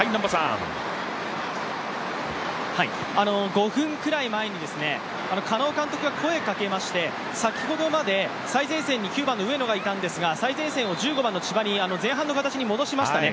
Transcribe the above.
５分くらい前に、狩野監督が声をかけまして、先ほどまで最前に９番の上野がいたんですが最前線を１５番の千葉に前半の形に戻しましたね。